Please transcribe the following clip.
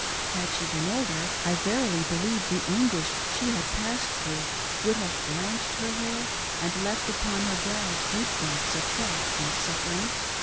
Had she been older, I verily believe the anguish she had passed through would have blanched her hair and left upon hei" brow deep marks of , thought and suffering.